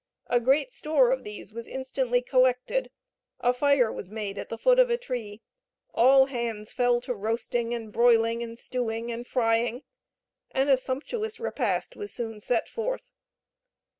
A great store of these was instantly collected; a fire was made at the foot of a tree; all hands fell to roasting, and broiling, and stewing, and frying, and a sumptuous repast was soon set forth.